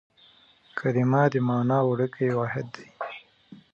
کلیمه د مانا وړوکی واحد دئ.